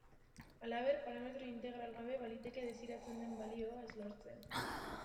Halaber, parametro integral gabe, baliteke desiratzen den balioa ez lortzea.